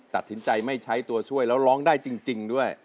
ตัดสินใจไม่ใช้ตัวช่วยแล้วร้องได้จริงด้วย